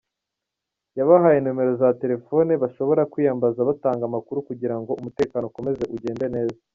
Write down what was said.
Yabahaye nimero za telefone bashobora kwiyambaza batanga amakuru kugira ngo umutekano ukomeze ugende neza.